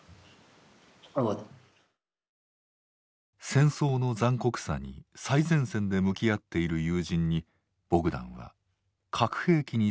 戦争の残酷さに最前線で向き合っている友人にボグダンは核兵器について聞いた。